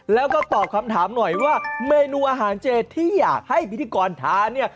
แล้วก็ตอบคำถามหน่อยว่าเมนูอาหารเจที่อยากให้พิธีกรทานเนี่ย